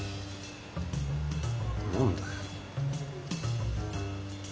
何だよ。